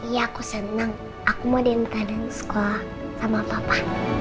iya aku seneng aku mau dental dan sekolah sama papa